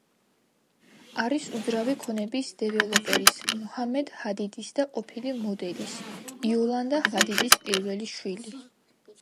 არის უძრავი ქონების დეველოპერის, მუჰამედ ჰადიდის და ყოფილი მოდელის იოლანდა ჰადიდის პირველი შვილი.